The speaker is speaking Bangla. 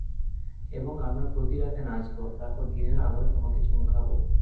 এবং আমরা প্রতি রাতে নাচব, তারপর দিনের আলোয় তোমাকে চুমু খাবো।